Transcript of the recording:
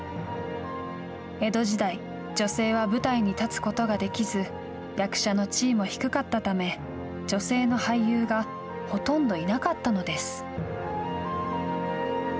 江戸時代、女性は舞台に立つことができず役者の地位も低かったため女性の俳優がほとんどいなかったのです。